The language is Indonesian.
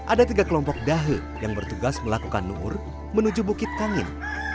ada tiga kelompok dahe yang bertugas melakukan nuur menuju bukit kangen